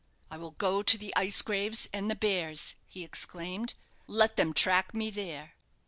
"I will go to the ice graves and the bears!" he exclaimed. "Let them track me there!"